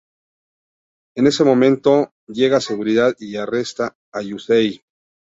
En ese momento llega Seguridad y arresta a Yusei.